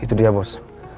itu dia bos